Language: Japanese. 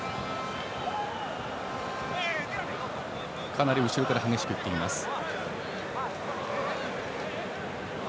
かなり後ろから激しくいっていました。